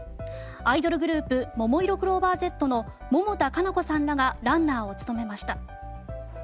アイドルグループももいろクローバーＺの百田夏菜子さんらがランナーを務めました。